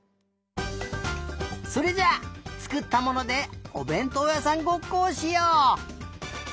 それじゃあつくったものでおべんとうやさんごっこをしよう！